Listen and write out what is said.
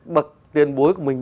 bậc tiền bối của mình